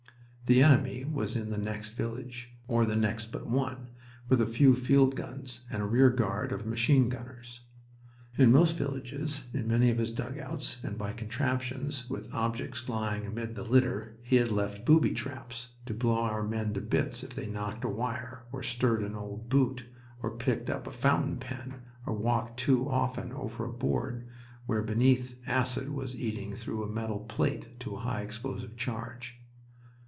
The enemy was in the next village, or the next but one, with a few field guns and a rear guard of machine gunners. In most villages, in many of his dugouts, and by contraptions with objects lying amid the litter, he had left "booby traps" to blow our men to bits if they knocked a wire, or stirred an old boot, or picked up a fountain pen, or walked too often over a board where beneath acid was eating through a metal plate to a high explosive charge.